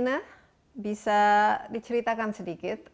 nah di indonesia ini sendiri kita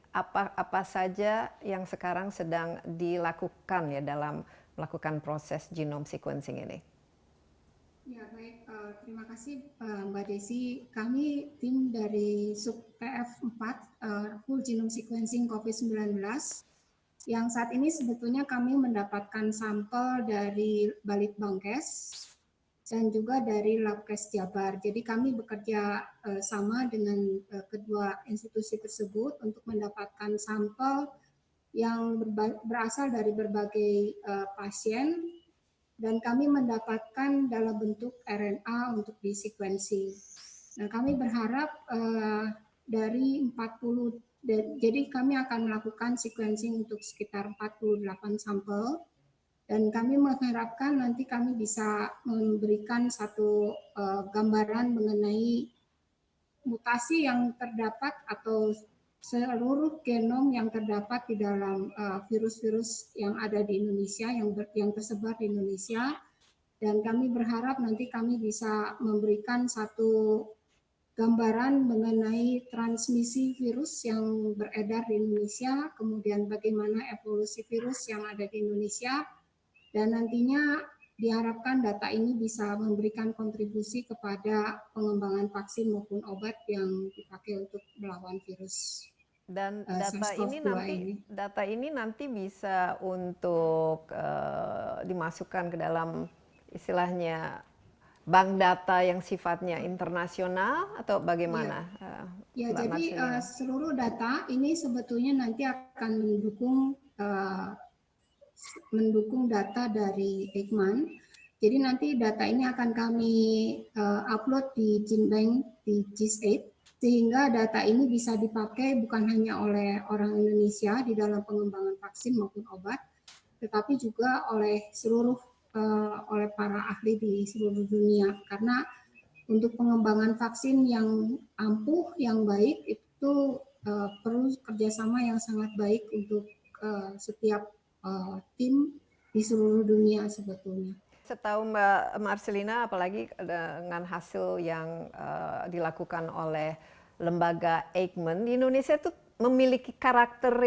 tahu negara indonesia ini sangat tersebar pulau pulaunya